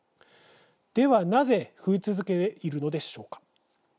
ではなぜ増え続けているのでしょうか。